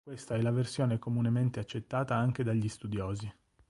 Questa è la versione comunemente accettata anche dagli studiosi.